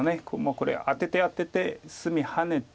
これアテてアテて隅ハネて。